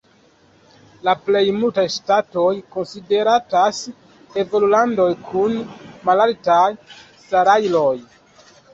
La plej multaj ŝtatoj konsideratas evolulandoj kun malaltaj salajroj.